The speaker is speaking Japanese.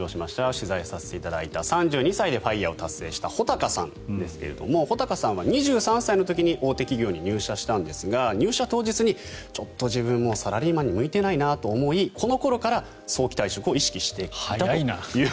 取材させていただいた３２歳でＦＩＲＥを達成した穂高さんですが穂高さんは２３歳の時に大手企業に入社したんですが入社当日にちょっと自分はサラリーマンに向いてないなと思いこの頃から、早期退職を意識したという。